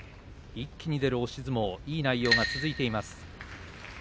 一気に出る押し相撲、いい内容が続いています。